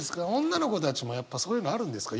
女の子たちもやっぱそういうのあるんですか？